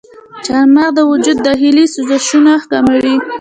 چارمغز د وجود داخلي سوزشونه کموي.